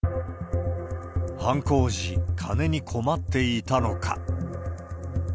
犯行時、金に困っていたのか。